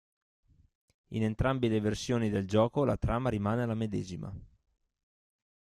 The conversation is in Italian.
In entrambe le versioni del gioco la trama rimane la medesima.